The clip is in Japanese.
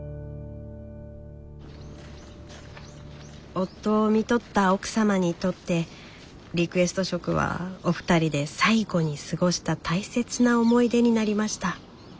夫をみとった奥様にとってリクエスト食はお二人で最後に過ごした大切な思い出になりました。